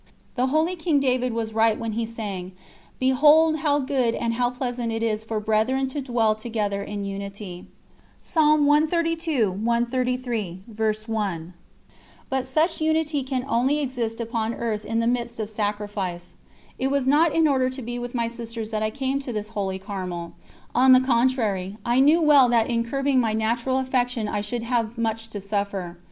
The holy King David was right when he sang: "Behold how good and how pleasant it is for brethren to dwell together in unity." But such unity can only exist upon earth in the midst of sacrifice. It was not in order to be with my sisters that I came to this holy Carmel; on the contrary, I knew well that in curbing my natural affection I should have much to suffer.